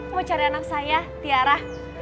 mau cari anak saya tiara